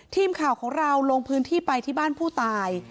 ทีมข่าวของเราลงพื้นที่ไปที่บ้านผู้ตาย